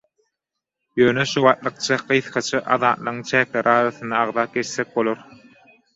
Ýöne şuwagtlykça gysgaça azatlygyň çäkleri arasynda agzap geçsek bolar.